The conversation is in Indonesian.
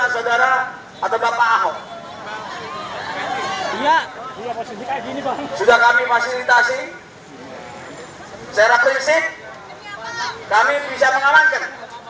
sudah kami fasilitasi secara prinsip kami bisa mengamankan